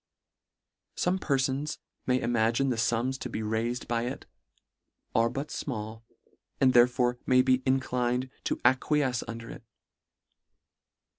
Some perfons may imagine the fums to be raifed by it, are but fmall, and therefore may be inclined to acquiefce under it.